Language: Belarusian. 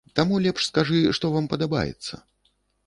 Таму лепш скажы, што вам падабаецца?